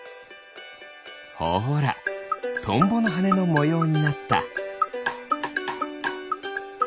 ほらトンボのはねのもようになった。